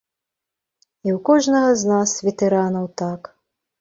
І ў кожнага з нас, ветэранаў, так.